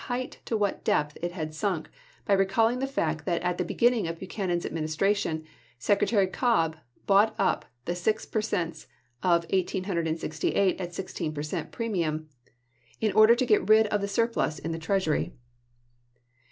height to what depth it had sunk by recalling the fact that at the beginning of Buchanan's Adminis tration, Secretary Cobb bought up the six per cents of 1868 at sixteen per cent, premium, in order to get rid of the surplus in the treasury.